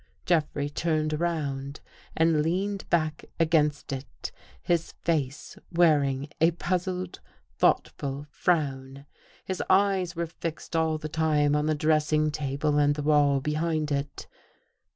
Jeff rey turned around and leaned back against it, his face wearing a puzzled, thoughtful frown. His eyes were fixed all the time on the dressing table and the wall behind it.